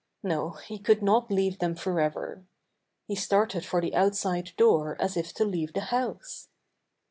No, he could not leave them forever. He started for the outside door as if to leave the house.